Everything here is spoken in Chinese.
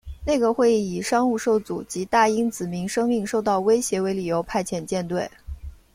内阁会议以商务受阻及大英子民生命受到威胁为理由派遣舰队。